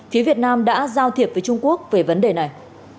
phía việt nam đã giao thiệp với trung quốc về vấn đề này